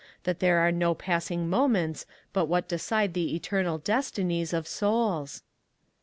— that there are no passing moments but what decide the eternal destinies of souls?